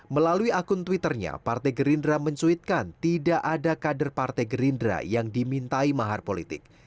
melalui akun twitternya partai gerindra mencuitkan tidak ada kader partai gerindra yang dimintai mahar politik